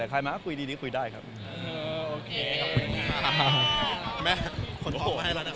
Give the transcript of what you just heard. แม่ขนท้องมาให้แล้วนะขนท้องมาแล้ว